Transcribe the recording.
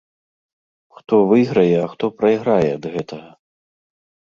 Хто выйграе, а хто прайграе ад гэтага?